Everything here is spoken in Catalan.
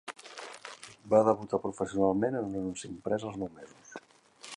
Va debutar professionalment en un anunci imprès als nou mesos.